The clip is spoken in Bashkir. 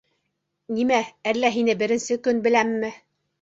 Нимә, әллә һине беренсе көн беләмме?